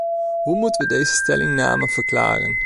Hoe moeten we deze stellingname verklaren?